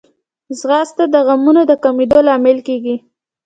ځغاسته د غمونو د کمېدو لامل کېږي